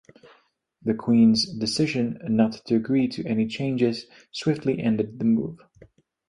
The Queen's decision not to agree to any changes swiftly ended the move.